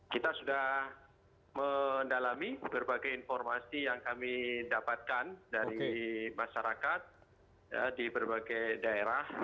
kita sudah mendalami berbagai informasi yang kami dapatkan dari masyarakat di berbagai daerah